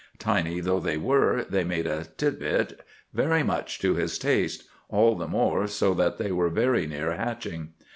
Tiny though they were, they made a tit bit very much to his taste, all the more so that they were very near hatching.